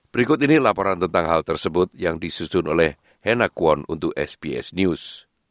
berikut ini laporan tentang hal tersebut yang disusun oleh hena kwon untuk sbs news